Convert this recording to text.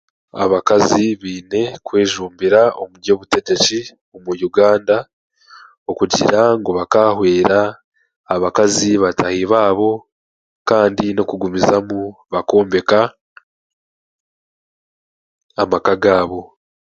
Abakazi baine kwejumbira omu by'obutegyeki omu Uganda okugira ngu bakahwera abakazi bataahi baabo kandi n'okugumizamu bakombeka amaka gaabo